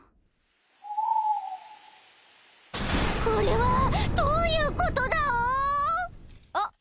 これはどういうことだお！？